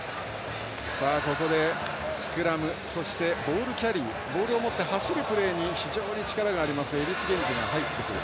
ここで、スクラムそしてボールキャリーボールを持って走るプレーに非常に力のあるエリス・ゲンジが入ってくる。